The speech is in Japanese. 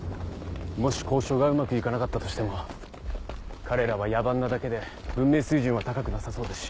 もし交渉がうまく行かなかったとしても彼らは野蛮なだけで文明水準は高くなさそうだし。